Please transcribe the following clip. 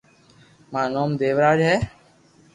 مارو نوم ديوراج ھئ